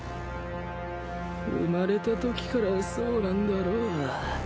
生まれたときからそうなんだろう。